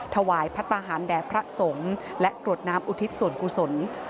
ถวายพระทหารแด่พระสงฆ์และกรวดน้ำอุทิศส่วนกุศล